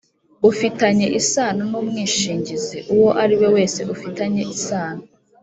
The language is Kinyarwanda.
ufitanye isano n’umwishingizi: uwo ariwe wese ufitanye isano